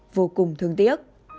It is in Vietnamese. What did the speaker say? vô cùng thương tiếc